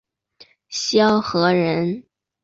萧何人。